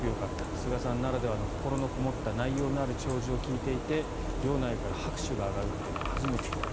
菅さんならではの心のこもった内容のある弔辞を聞いて場内から拍手が上がるのは初めて見た。